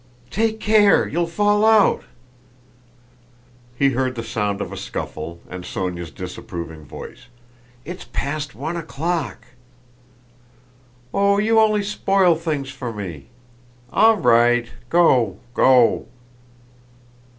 "Take care, you'll fall out." He heard the sound of a scuffle and Sónya's disapproving voice: "It's past one o'clock." "Oh, you only spoil things for me. All right, go, go!"